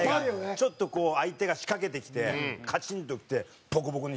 ちょっとこう相手が仕掛けてきてカチンときてボコボコにしちゃうみたいな。